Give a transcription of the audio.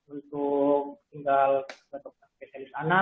untuk tinggal di dokter pesel di sana